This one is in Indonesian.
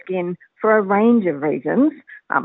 mungkin alasan yang berpengaruh